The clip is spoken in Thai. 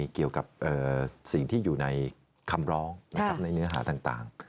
เกี่ยวกับสิ่งที่อยู่ในคำร้องในเนื้อหาต่าง